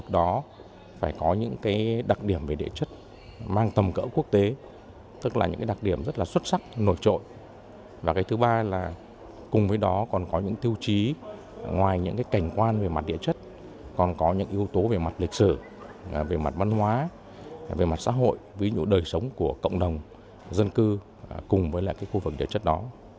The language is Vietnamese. công viên địa chất mang tầm cỡ quốc tế tức là những đặc điểm rất là xuất sắc nổi trội và thứ ba là cùng với đó còn có những tiêu chí ngoài những cảnh quan về mặt địa chất còn có những yếu tố về mặt lịch sử về mặt văn hóa về mặt xã hội ví dụ đời sống của cộng đồng dân cư cùng với lại khu vực địa chất đó